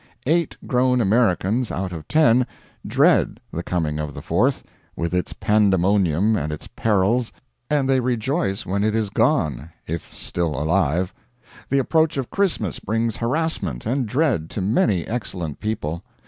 Eight grown Americans out of ten dread the coming of the Fourth, with its pandemonium and its perils, and they rejoice when it is gone if still alive. The approach of Christmas brings harassment and dread to many excellent people.